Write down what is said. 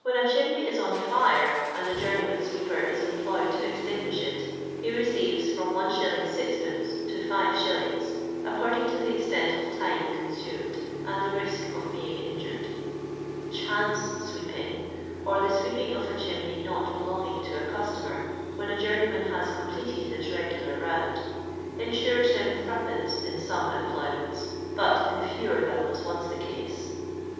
When a chimney is on fire and a j«)urueyman sweeper is employed to extinguish it, he receives from 1*. G(/. to 5a according to the extent of time consumed and the risk of being injured. '• Chance sweep ing," or the sweeping of a chimney not belonging to a customer, when a journeyman luis completed his regijlar round, ensures him '6tL in some employ m'.'nts, but in fewer than was once the case.